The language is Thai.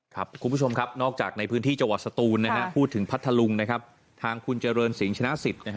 ครับกรุณผู้ชมครับนอกจากในพื้นที่าวาสตูลนะครับ